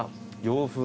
洋風？